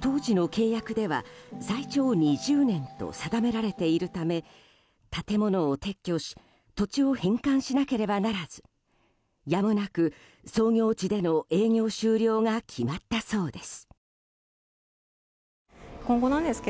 当時の契約では最長２０年と定められているため建物を撤去し土地を返還しなければならずやむなく創業地での営業終了が決まったそうです。